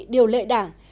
điều lệ đảng